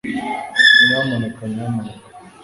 nyamuneka, nyamuneka